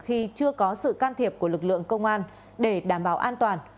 khi chưa có sự can thiệp của lực lượng công an để đảm bảo an toàn